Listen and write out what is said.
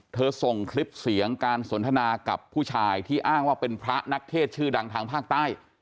ส่งคลิปเสียงการสนทนากับผู้ชายที่อ้างว่าเป็นพระนักเทศชื่อดังทางภาคใต้